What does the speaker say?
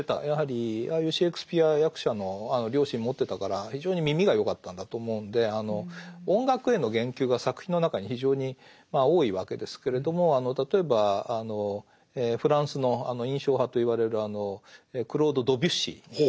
やはりああいうシェークスピア役者の両親持ってたから非常に耳がよかったんだと思うんで音楽への言及が作品の中に非常に多いわけですけれども例えばフランスの印象派と言われるクロード・ドビュッシー。